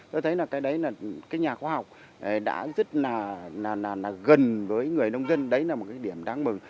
tôi thấy là cái đấy là cái nhà khoa học đã rất là gần với người nông dân đấy là một cái điểm đáng mừng